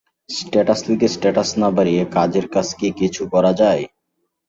Status লিখে status না বাড়িয়ে কাজের কাজ কি কিছু করা যায়?